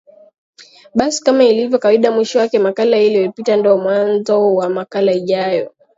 Basi kama ilivo kawaida mwisho wa makala iliyo pita ndo mwanzo wa makala ijayo